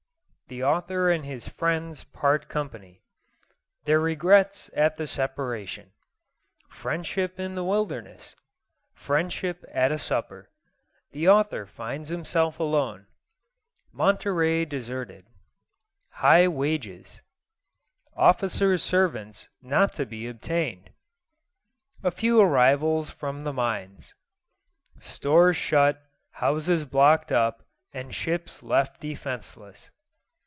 The Author and his friends part company Their regrets at the separation Friendship in the wilderness Friendship at a supper The Author finds himself alone Monterey deserted High wages Officers' servants not to be obtained A few arrivals from the mines Stores shut, houses blocked up, and ships left defenceless.